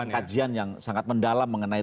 kajian yang sangat mendalam mengenai al qaeda